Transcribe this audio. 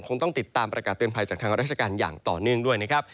คงต้องติดตามประกาศเตือนภัยจากทางราชการอย่างต่อเนื่องด้วยนะครับ